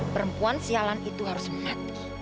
perempuan sialan itu harus mati